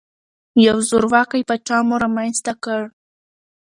یو زورواکۍ پاچا مو رامنځته کړ.